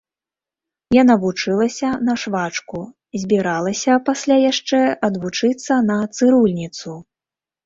Яна вучылася на швачку, збіралася пасля яшчэ адвучыцца на цырульніцу.